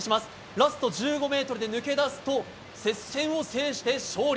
ラスト１５ｍで抜け出すと接戦を制して勝利。